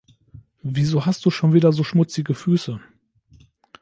Wieso hast du schon wieder so schmutzige Füße?